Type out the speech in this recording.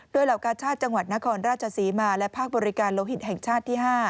โดยเหล่ากาชาติจังหวัดนครราชศรีมาและภาคบริการโลหิตแห่งชาติที่๕